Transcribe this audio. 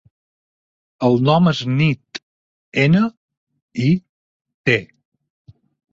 El nom és Nit: ena, i, te.